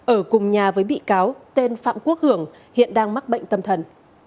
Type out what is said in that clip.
ở cùng nhà với bị cáo tên phạm quốc hường hiện đang mắc bệnh tâm thần